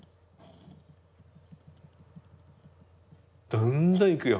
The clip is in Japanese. どんどんいくよ。